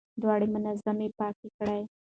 دوړې منظم پاکې کړئ.